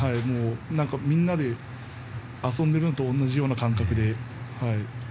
みんなで遊んでいるような感覚で。